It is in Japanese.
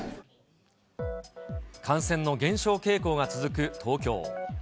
感染の減少傾向が続く東京。